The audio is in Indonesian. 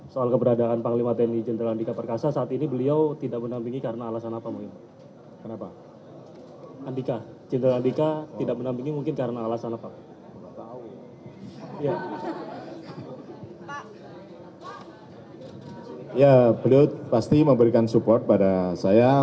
soal keberadaan panglima tni jenderal andika perkasa saat ini beliau tidak menampingi karena alasan apa